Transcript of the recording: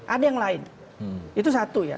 ada yang lain itu satu ya